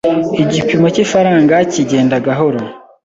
Igipimo cy’ifaranga kigenda gahoro.